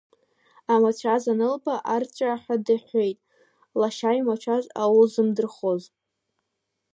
Амацәаз анылба, арҵәааҳәа дыҳәҳәеит, лашьа имацәаз аулзымдырхоз.